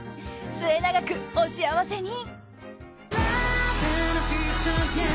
末永くお幸せに！